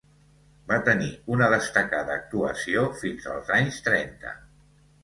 Va tenir una destacada actuació fins als anys trenta.